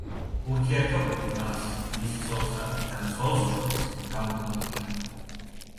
ურთიერთობები მას, მის ცოლსა და მძღოლს შორის გამოგონილია.